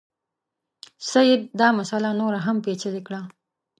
سید دا مسله نوره هم پېچلې کړه.